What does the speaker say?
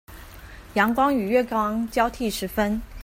陽光與月光交替時分